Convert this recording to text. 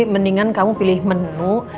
mendingan kamu pilih menu